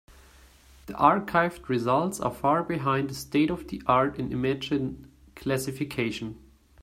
The achieved results are far behind the state-of-the-art in image classification.